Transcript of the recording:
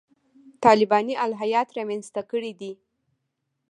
طالباني الهیات رامنځته کړي دي.